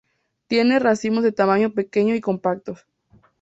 Tiene racimos de tamaño pequeño y compactos.